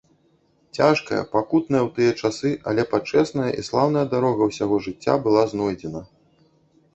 Цяжкая, пакутная ў тыя часы, але пачэсная і слаўная дарога ўсяго жыцця была знойдзена.